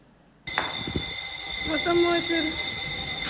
また燃えてる。